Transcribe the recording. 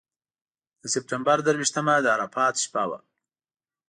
د سپټمبر درویشتمه د عرفات شپه وه.